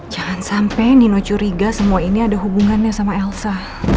jangan sampai nino curiga semua ini ada hubungannya sama elsa